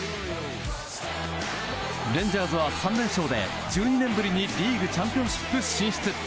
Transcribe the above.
レンジャーズは３連勝で１２年ぶりにリーグチャンピオンシップ進出。